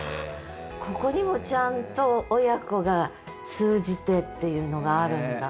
ここにもちゃんと親子が通じてっていうのがあるんだ。